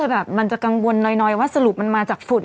แบบมันจะกังวลน้อยว่าสรุปมันมาจากฝุ่น